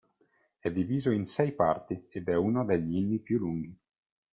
È diviso in sei parti ed è uno degli inni più lunghi.